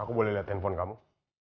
aku boleh lihat handphone kamu